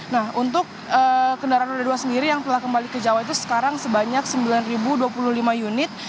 nah untuk kendaraan roda dua sendiri yang telah kembali ke jawa itu sekarang sebanyak sembilan dua puluh lima unit